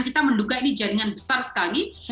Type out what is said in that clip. kita menduga ini jaringan besar sekali